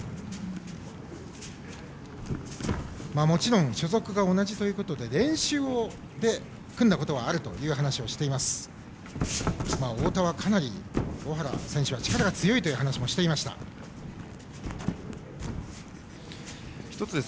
もちろん所属が同じということで練習で組んだことはあると話しています。